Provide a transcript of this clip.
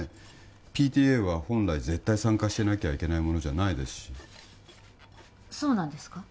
ＰＴＡは本来絶対参加しなきゃいけないものじゃないですしそうなんですか？